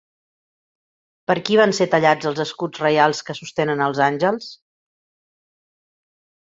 Per qui van ser tallats els escuts reials que sostenen els àngels?